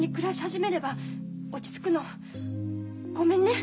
ごめんね。